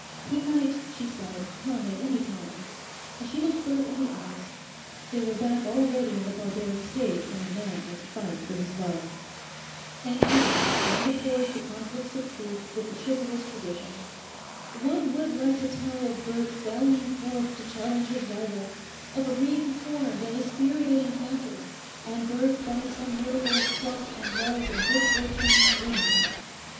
He might, she said, come at any time, and she looked Bert in the eyes. They were back already in the barbaric stage when a man must fight for his love. And here one deplores the conflicts of truth with the chivalrous tradition. One would like to tell of Bert sallying forth to challenge his rival, of a ring formed and a spirited encounter, and Bert by some miracle of pluck and love and good fortune winning.